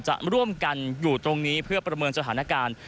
จะร่วมกันอยู่ตรงนี้เพื่อประเมินสถานการณ์